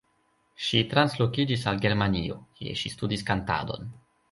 Ŝi translokiĝis al Germanio, kie ŝi studis kantadon.